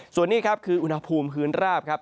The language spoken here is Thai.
ส่วนนี้ครับคืออุณหภูมิพื้นราบครับ